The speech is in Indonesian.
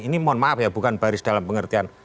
ini mohon maaf ya bukan baris dalam pengertian